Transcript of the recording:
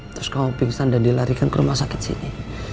terus kamu pingsan dan dilarikan ke rumah sakit sini